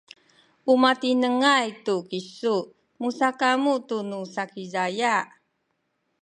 u matinengay tu kisu musakamu tunu Sakizaya